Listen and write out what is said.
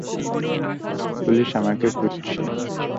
Police আমাকে খুঁজছে।